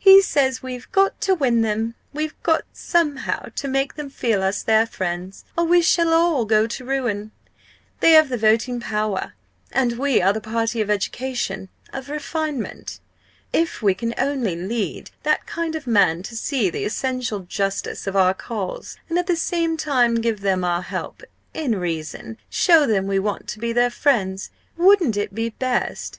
He says we've got to win them. We've got somehow to make them feel us their friends or we shall all go to ruin! They have the voting power and we are the party of education, of refinement. If we can only lead that kind of man to see the essential justice of our cause and at the same time give them our help in reason show them we want to be their friends wouldn't it be best?